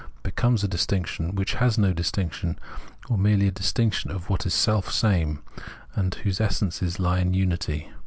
becomes a distinction, which is no distinction, or merely a distinction of what is selfsame, and whose essence lies in tinity.